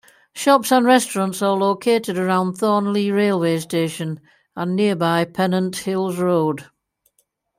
Shops and restaurants are located around Thornleigh railway station and nearby Pennant Hills Road.